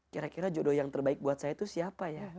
kira kira jodoh yang terbaik buat saya itu siapa ya